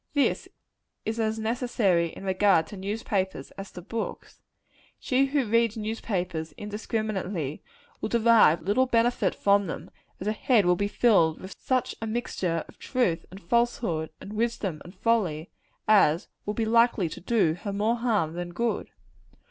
This is as necessary in regard to newspapers, as to books. She who reads newspapers, indiscriminately, will derive little benefit from them; as her head will be filled with such a mixture of truth and falsehood, and wisdom and folly, as will be likely to do her more harm than good.